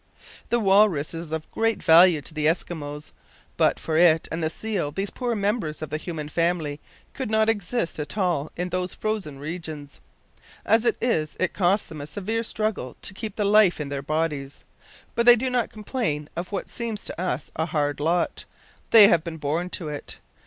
The walrus is of great value to the Eskimos. But for it and the seal these poor members of the human family could not exist at all in those frozen regions. As it is, it costs them a severe struggle to keep the life in their bodies. But they do not complain of what seems to us a hard lot. They have been born to it.